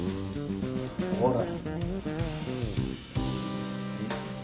ほら。